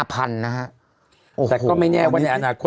แต่ก็ไม่แน่ว่าในอนาคต